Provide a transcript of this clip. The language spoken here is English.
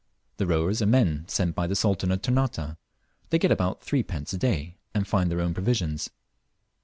The rowers are men sent by the Sultan of Ternate. They get about threepence a day, and find their own provisions.